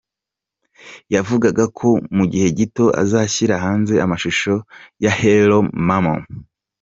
com yavugaga ko mu gihe gito azashyira hanze amashusho ya Hero Mama.